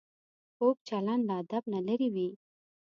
کوږ چلند له ادب نه لرې وي